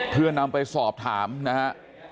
เพื่อนำไปสอบถามนะฮะ